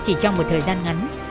chỉ trong một thời gian ngắn